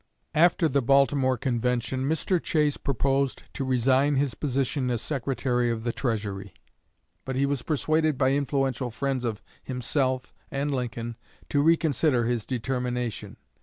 '" After the Baltimore Convention, Mr. Chase proposed to resign his position as Secretary of the Treasury, but he was persuaded by influential friends of himself and Lincoln to reconsider his determination.